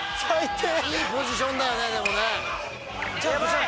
いいポジションだよね。